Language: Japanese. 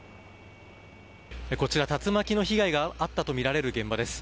こちら竜巻の被害があったとみられる現場です。